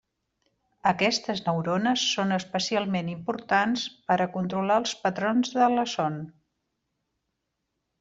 Aquestes neurones són especialment importants per a controlar els patrons de la son.